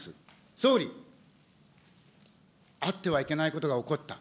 総理、あってはいけないことが起こった。